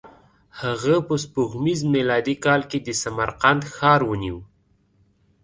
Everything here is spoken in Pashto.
هغه په سپوږمیز میلادي کال کې د سمرقند ښار ونیو.